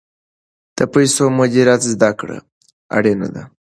د پیسو مدیریت زده کړه اړینه ده.